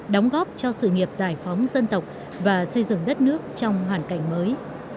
đóng góp cho sự nghiệp giải phóng dân tộc và xây dựng đất nước trong hoàn cảnh mới